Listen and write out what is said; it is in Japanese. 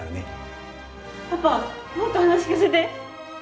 パパもっと話を聞かせて！